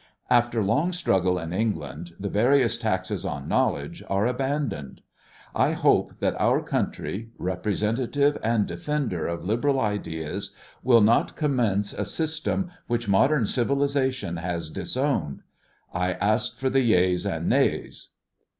After long struggle in England, the various taxes on knowledge are abandoned. I hope that our country, representative and defender of liberal ideas, will not commence a system which modern civiliza tion has disowned. I ask for the yeas and nays.